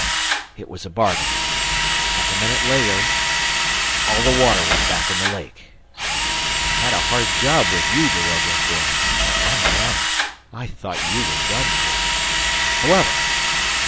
It was a bargain ... Half a minute later, all the water was back in the lake; and I had a hard job with you, daroga, for, upon my honor, I thought you were done for! ... However!